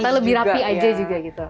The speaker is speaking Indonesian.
kita lebih rapi aja juga gitu